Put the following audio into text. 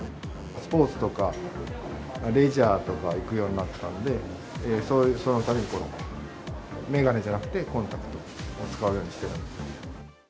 スポーツとかレジャーとか行くようになったんで、そのたびに、眼鏡じゃなくてコンタクトを使うようにしてるので。